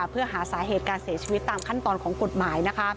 เพื่อหาสาเหตุการเสียชีวิตตามขั้นตอนของกฎหมาย